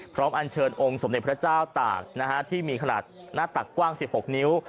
อันเชิญองค์สมเด็จพระเจ้าตากที่มีขนาดหน้าตักกว้าง๑๖นิ้ว